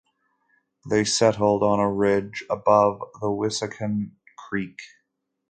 They settled on a ridge above the Wissahickon Creek.